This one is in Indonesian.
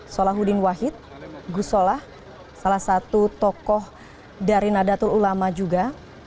solahuddin wahid gusolah salah satu tokoh dari nadatul ulama juga